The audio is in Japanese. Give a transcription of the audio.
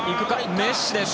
メッシです。